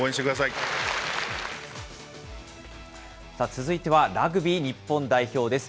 続いてはラグビー日本代表です。